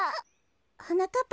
はなかっ